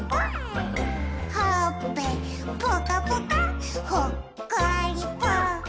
「ほっぺぽかぽかほっこりぽっ」